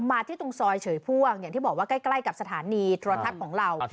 มาที่ตรงซอยเฉยพ่วงอย่างที่บอกว่าใกล้กับสถานีโทรทัศน์ของเรา